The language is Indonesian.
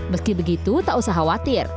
meski begitu tak usah khawatir